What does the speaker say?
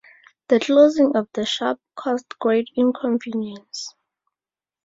The closing of the shop caused great inconvenience.